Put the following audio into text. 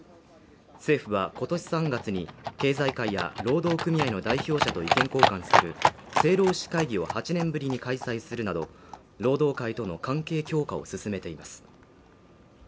政府は、今年３月に経済界や労働組合の代表者と意見交換する政労使会議を８年ぶりに開催するなど、労働界との関係強化を進めています。